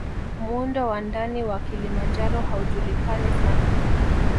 Muundo wa ndani wa Kilimanjaro haujulikani sana